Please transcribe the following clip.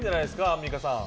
アンミカさん。